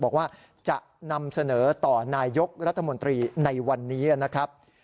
บอกว่าจะนำเสนอต่อนายกรัฐมนตรีในวันนี้นะครับ